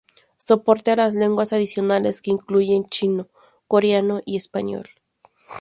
Soporte a las lenguas adicionales que incluyen chino, coreano, y español.